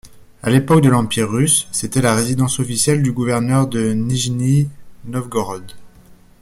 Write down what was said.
A l'époque de l'Empire russe, c'était la résidence officielle du gouverneur de Nijni Novgorod.